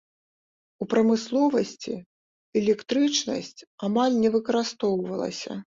У прамысловасці электрычнасць амаль не выкарыстоўвалася.